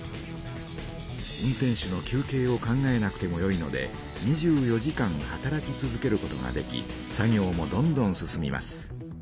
運転手の休けいを考えなくてもよいので２４時間働き続けることができ作業もどんどん進みます。